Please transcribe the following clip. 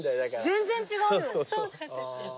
全然違うよ。